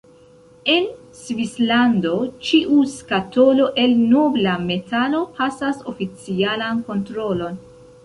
En Svislando, ĉiu skatolo el nobla metalo pasas oficialan kontrolon.